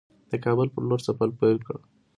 د کابل پر لور سفر پیل کړ.